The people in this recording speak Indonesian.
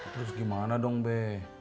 terus gimana dong be